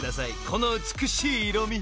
この美しい色み］